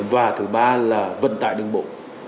và thứ ba là vận tải đường bộ